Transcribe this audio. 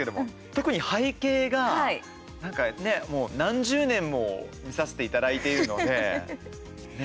特に背景が、もう何十年も見させていただいているのでね